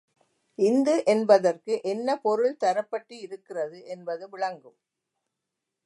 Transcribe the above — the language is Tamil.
இந்து என்பதற்கு என்ன பொருள் தரப்பட்டு இருக்கிறது என்பது விளங்கும்.